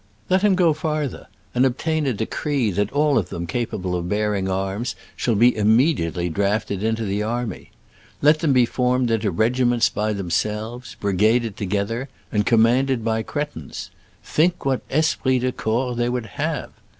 Let him go farther, and obtain a decree that all of them capable of bearing arms shall be immediately drafted into the army. Let them be formed into regiments by themselves, brigaded together and com manded by cretins. Think what esprit de corps they would have